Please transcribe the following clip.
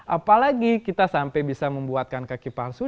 apalagi kita sampai bisa membuatkan kaki palsu